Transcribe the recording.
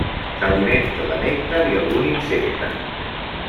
S'alimenta de nèctar i algun insecte.